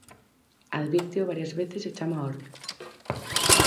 Advírteo varias veces e chama á orde.